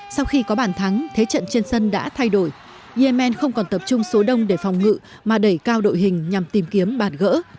sau khi có bàn thắng thế trận trên sân đã thay đổi yemen không còn tập trung số đông để phòng ngự mà đẩy cao đội hình nhằm tìm kiếm bàn gỡ